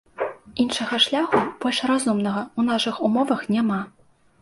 Іншага шляху, больш разумнага, у нашых умовах няма.